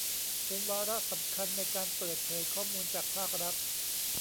เป็นวาระสำคัญในการเปิดเผยข้อมูลจากภาครัฐ